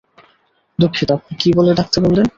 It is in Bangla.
দুঃখিত, আপনি কী বলে ডাকতে বললেন?